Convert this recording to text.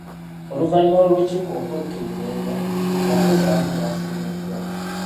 Oluvannyuma lw'olukiiko okwekenneenya, abakozi abamu baasiimiddwa.